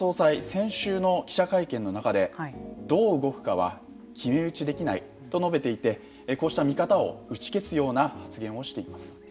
先週の記者会見の中でどう動くかは決め打ちできないと述べていてこうした見方を打ち消すような発言をしています。